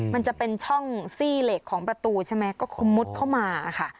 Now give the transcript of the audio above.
มันจะเป็นช่องซี่เหล็กของประตูใช่ไหมก็คงมุดเข้ามาค่ะ